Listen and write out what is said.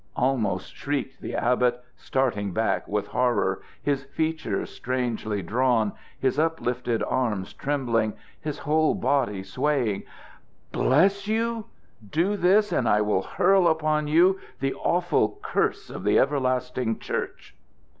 almost shrieked the abbot, starting back with horror, his features strangely drawn, his uplifted arms trembling, his whole body swaying. "Bless you? Do this, and I will hurl upon you the awful curse of the everlasting Church!"